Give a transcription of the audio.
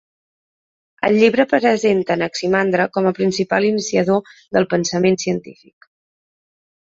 El llibre presenta Anaximandre com a principal iniciador del pensament científic.